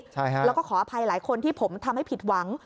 แล้วก็ขออภัยหลายคนที่ผมทำให้ผิดหวัง